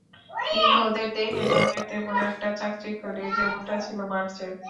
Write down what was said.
কিন্তু ওদের দেহের রঙে তেমন একটা চাকচিক্য নেই, যেমনটা ছিল মার্চে।